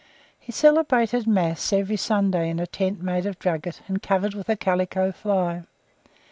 He celebrated Mass every Sunday in a tent made of drugget, and covered with a calico fly.